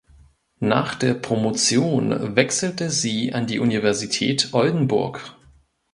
Nach der Promotion wechselte sie an die Universität Oldenburg.